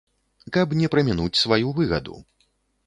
Каб не прамінуць сваю выгаду.